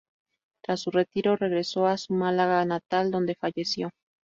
Tras su retiro, regresó a su Málaga natal, donde falleció.